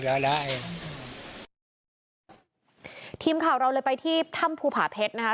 ทีมข่าวเราเลยไปที่ถ้ำภูผาเพชรนะคะ